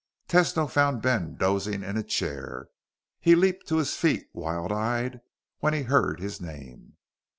Tesno found Ben dozing in a chair. He leaped to his feet wild eyed when he heard his name.